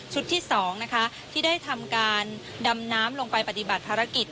ที่๒นะคะที่ได้ทำการดำน้ำลงไปปฏิบัติภารกิจ